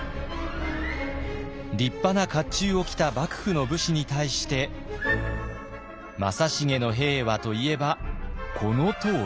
立派な甲冑を着た幕府の武士に対して正成の兵はといえばこのとおり。